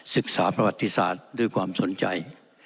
ศึกษาประวัติศาสตร์ด้วยความสนใจ